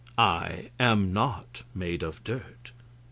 I am not made of dirt.